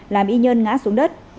làm y nhân ngã xuống đất